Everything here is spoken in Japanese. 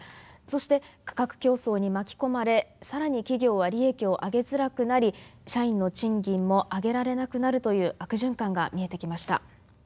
そして価格競争に巻き込まれ更に企業は利益を上げづらくなり社員の賃金も上げられなくなるという悪循環が見えてきました。